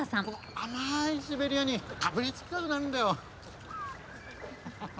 甘いシベリアにかぶりつきたくなるんだよ。